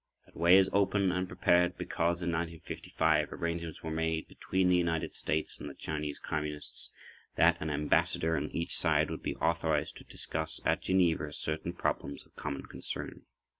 That way is open and prepared because in 1955 arrangements were made between the United States and the Chinese Communists that an Ambassador on each side would be authorized to discuss at Geneva certain problems of common concern.